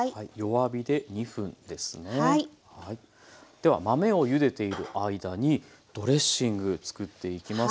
では豆をゆでている間にドレッシング作っていきます。